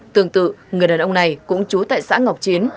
tương tự người đàn ông này cũng trú tại xã ngọc chiến